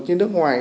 như nước ngoài